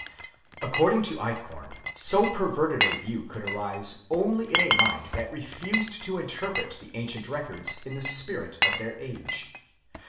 . According to Eichhorn, so perverted a view could arise only in a mind that refused to interpret the ancient records in the spirit of their age.